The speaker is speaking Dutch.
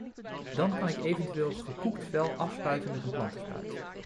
Dan kan ik eventueel gekoekt vuil afspuiten met een plantenspuit.